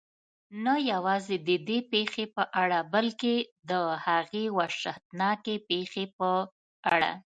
نه یوازې ددې پېښې په اړه بلکې د هغې وحشتناکې پېښې په اړه.